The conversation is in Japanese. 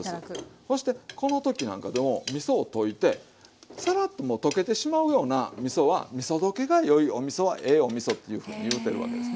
そしてこの時なんかでもみそを溶いてサラッともう溶けてしまうようなみそはみそ溶けがよいおみそはええおみそっていうふうにいうてるわけですね